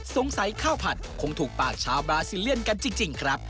ข้าวผัดคงถูกปากชาวบราซิเลียนกันจริงครับ